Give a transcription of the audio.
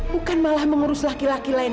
bukan malah mengurus laki laki lain